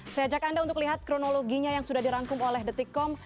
saya ajak anda untuk lihat kronologinya yang sudah dirangkum oleh detikkom